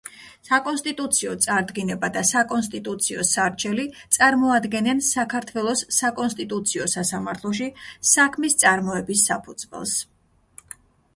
საკონსტიტუციო წარდგინება და საკონსტიტუციო სარჩელი წარმოადგენენ საქართველოს საკონსტიტუციო სასამართლოში საქმის წარმოების საფუძველს.